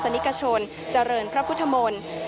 พาคุณผู้ชมไปติดตามบรรยากาศกันที่วัดอรุณราชวรรมหาวิหารค่ะ